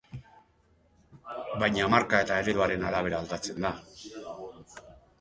Baina, marka eta ereduaren arabera aldatzen da.